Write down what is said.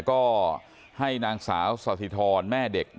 ก็ให้นางสาวสถิธรแม่เด็ก